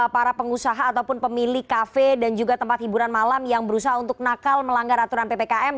para pengusaha ataupun pemilik kafe dan juga tempat hiburan malam yang berusaha untuk nakal melanggar aturan ppkm